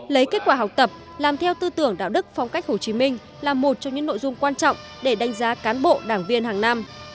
lấy kết quả học tập làm theo tư tưởng đạo đức phong cách hồ chí minh là một trong những nội dung quan trọng để đánh giá cán bộ đảng viên hàng năm